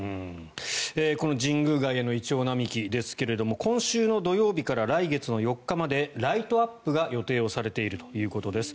この神宮外苑のイチョウ並木ですが今週の土曜日から来月の４日までライトアップが予定されているということです。